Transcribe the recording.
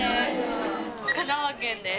香川県です。